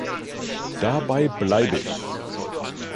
Dabei bleibe ich.